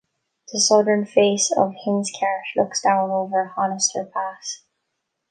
The southern face of Hindscarth looks down over Honister Pass.